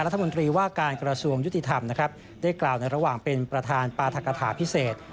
รัฐมนตรีว่าการกระทรวงยุติธรรมนะครับได้กล่าวในระหว่างเป็นประธานปราธกฐาพิเศษ